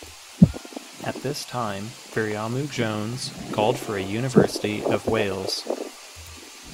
At this time Viriamu Jones called for a University of Wales.